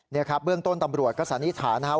นี่ครับเบื้องต้นตำรวจก็สันนิษฐานนะครับ